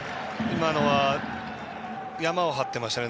今のはヤマを張ってましたね。